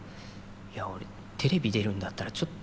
いや俺テレビ出るんだったらちょっと。